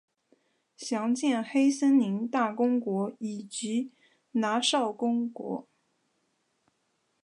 详见黑森大公国以及拿绍公国。